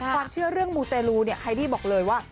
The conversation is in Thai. ความเชื่อเรื่องมูเตลูเนี่ยไฮดี้บอกเลยว่า